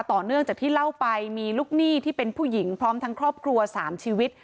ต่อเนื่องจากที่เล่าไปมีลูกหนี้ที่เป็นผู้หญิงพร้อมทั้งครอบครัว๓ชีวิต